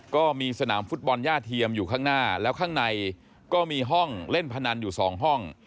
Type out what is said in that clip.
ก็มีสนามฟุตบอลย่าเทียมอยู่ข้างหน้าแล้วข้างในก็มีห้องเล่นพนันอยู่สองห้อง